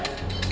itu ada apa